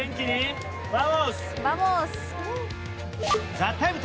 「ＴＨＥＴＩＭＥ，」